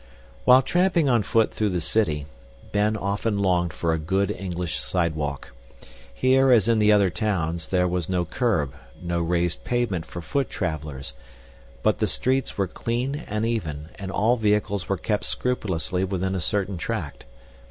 While tramping on foot through the city, Ben often longed for a good English sidewalk. Here, as in the other towns, there was no curb, no raised pavement for foot travelers, but the streets were clean and even, and all vehicles were kept scrupulously within a certain tract.